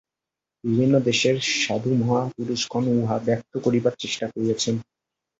বিভিন্ন দেশের সাধুমহাপুরুষগণ উহা ব্যক্ত করিবার চেষ্টা করিয়াছেন।